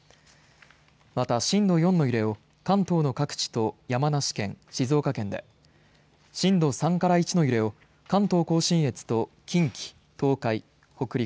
また震度４の揺れを関東の各地と山梨県、静岡県で震度３から１の揺れを関東甲信越と近畿、東海北陸